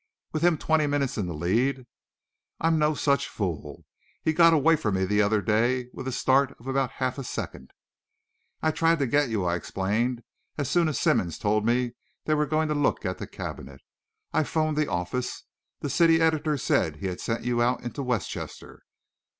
"With him twenty minutes in the lead? I'm no such fool! He got away from me the other day with a start of about half a second." "I tried to get you," I explained, "as soon as Simmonds told me they were going to look at the cabinet. I 'phoned the office. The city editor said he had sent you out into Westchester."